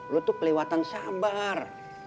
lu tuh kelewatan sabar